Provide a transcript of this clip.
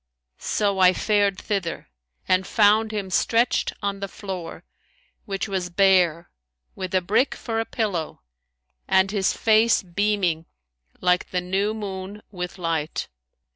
So I fared thither and found him stretched on the floor which was bare, with a brick for a pillow and his face beaming like the new moon with light.